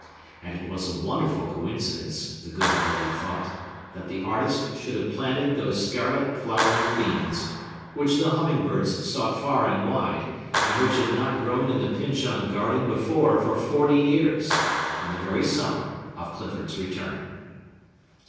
And it was a wonderful coincidence, the good lady thought, that the artist should have planted these scarlet flowering beans—which the humming birds sought far and wide, and which had not grown in the Pyncheon garden before for forty years—on the very summer of Clifford's return.